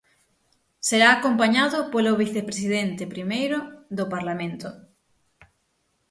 Será acompañado polo vicepresidente primeiro do Parlamento.